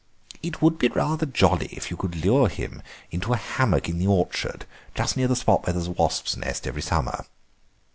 It would be rather jolly if you could lure him into a hammock in the orchard, just near the spot where there is a wasps' nest every summer.